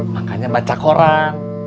makanya baca koran